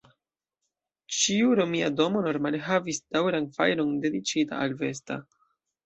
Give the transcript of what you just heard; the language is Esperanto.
Ĉiu romia domo normale havis daŭran fajron dediĉita al Vesta.